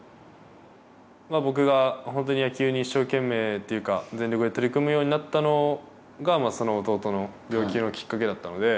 僕が本当に野球に一生懸命というか全力で取り組むようになったのが弟の病気がきっかけだったので。